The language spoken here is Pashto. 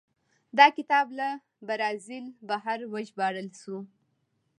دا کتاب له برازیل بهر وژباړل شو.